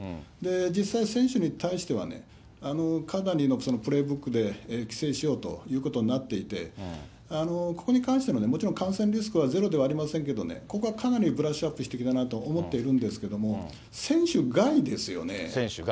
実際選手に対しては、かなりのプレーブックで規制しようということになっていて、ここに関してはもちろん、感染リスクはゼロではありませんけれどもね、ここはかなりブラッシュアップしてきてるなと思っているんですけど、選手外ですよね。